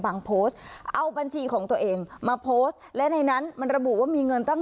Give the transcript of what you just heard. โพสต์เอาบัญชีของตัวเองมาโพสต์และในนั้นมันระบุว่ามีเงินตั้ง